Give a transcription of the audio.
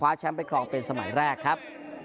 แชมป์ไปครองเป็นสมัยแรกครับ